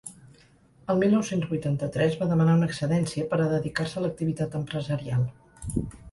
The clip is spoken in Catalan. El mil nou-cents vuitanta-tres va demanar una excedència per a dedicar-se a “l’activitat empresarial”.